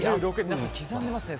皆さん、刻んでますね。